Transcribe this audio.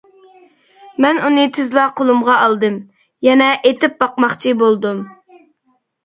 مەن ئۇنى تېزلا قولۇمغا ئالدىم، يەنە ئېتىپ باقماقچى بولدۇم.